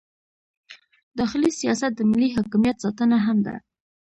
داخلي سیاست د ملي حاکمیت ساتنه هم ده.